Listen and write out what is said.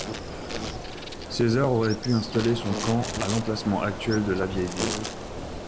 César aurait pu installer son camp à l'emplacement actuel de la vieille ville.